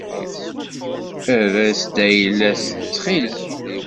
Err-as-d ayla-as ttxil-k.